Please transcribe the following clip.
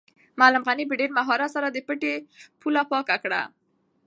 معلم غني په ډېر مهارت سره د پټي پوله پاکه کړه.